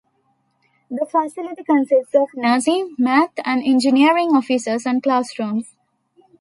The facility consists of nursing, math and engineering offices and classrooms.